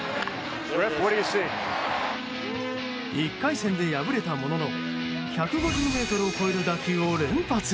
１回戦で敗れたものの１５０ｍを超える打球を連発。